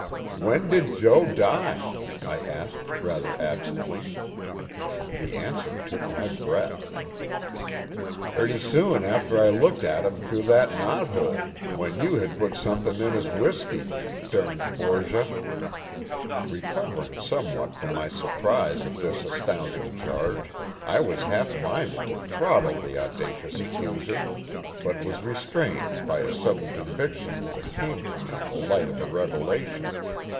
"When did Jo. die?" I asked rather absently. The answer took my breath: "Pretty soon after I looked at him through that knot hole, w'en you had put something in his w'isky, you derned Borgia!" Recovering somewhat from my surprise at this astounding charge, I was half minded to throttle the audacious accuser, but was restrained by a sudden conviction that came to me in the light of a revelation.